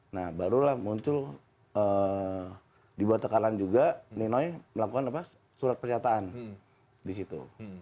nah barulah muncul dibuat tekanan juga nino ika melakukan apa surat pernyataan di situ